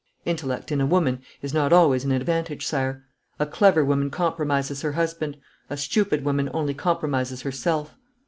'Intellect in a woman is not always an advantage, Sire. A clever woman compromises her husband. A stupid woman only compromises herself.'